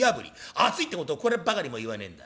熱いってことをこれっぱかりも言わねえんだ。